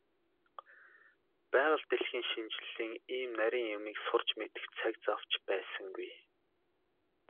Байгаль дэлхийн шинжлэлийн ийм нарийн юмыг сурч мэдэх цаг зав ч байсангүй.